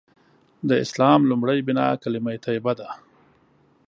د اسلام لومړۍ بناء کلیمه طیبه ده.